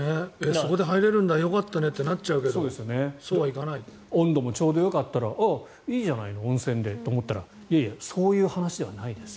そこでは入れるんだよかったねってなっちゃうけど温度もちょうどよかったらいいじゃないの、温泉でと思ったらいやいや、そういう話ではないですと。